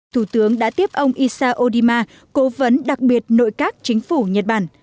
thủ tướng đã tiếp ông isa odima cố vấn đặc biệt nội các chính phủ nhật bản